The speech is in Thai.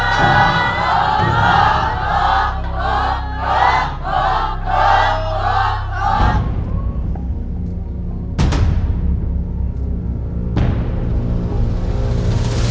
สุข